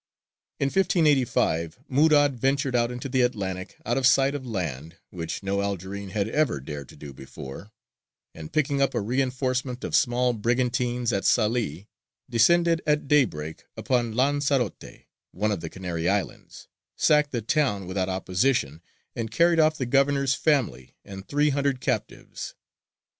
In 1585 Murād ventured out into the Atlantic out of sight of land, which no Algerine had ever dared to do before, and picking up a reinforcement of small brigantines at Salē, descended at daybreak upon Lanzarote, one of the Canary Islands, sacked the town without opposition, and carried off the governor's family and three hundred captives.